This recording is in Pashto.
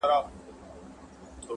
o د کيسې دردناک اثر لا هم ذهن کي پاتې,